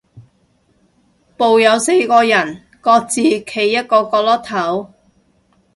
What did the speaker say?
部有四個人，各自企一個角落頭